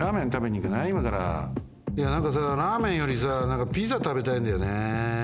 いやなんかさラーメンよりさなんかピザたべたいんだよね。